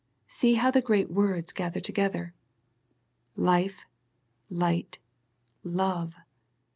See how the great words gather together. Life, light, love.